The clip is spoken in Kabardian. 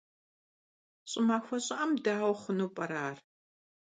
Ş'ımaxue ş'ı'em daue xhunu p'ere, ar?